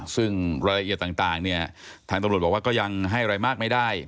ซึ่งรายละเอียดต่างเนี่ยทางตำรวจบอกว่าก็ยังให้อะไรมากไม่ได้